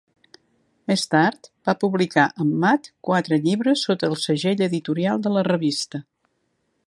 Més tard, va publicar amb Mad quatre llibres sota el segell editorial de la revista.